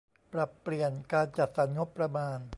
ปรับเปลี่ยนการจัดสรรงบประมาณ